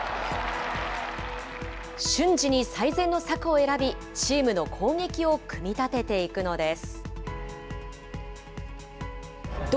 瞬時に最善の策を選び、チームの攻撃を組み立てていくのです。